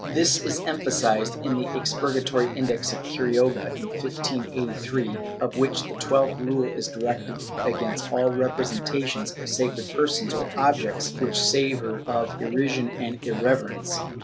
^ This is emphasized in the Expurgatory Index of Quiroga, in 1583, of which the twelfth rule is directed against all representations of sacred persons or objects which savor of irrision or irreverence.